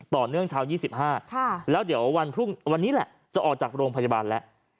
ต่อเนื่องเช้า๒๕แล้วเดี๋ยววันพรุ่งนี้แหละจะออกจากโรงพยาบาลแล้ว